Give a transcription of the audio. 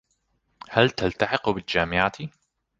هل تلتحق بالجامعة؟